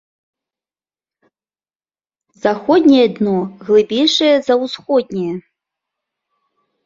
Заходняе дно глыбейшае за усходняе.